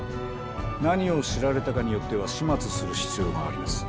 何を知られたかによっては始末する必要があります。